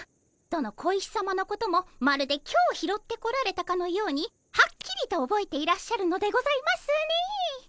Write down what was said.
どの小石さまのこともまるで今日拾ってこられたかのようにはっきりとおぼえていらっしゃるのでございますねえ。